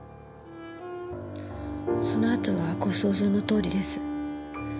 その後はご想像のとおりです。